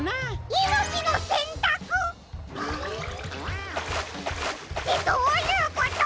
いのちのせんたく！ってどういうこと！？